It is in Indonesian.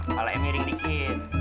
oke nah kepala yang miring dikit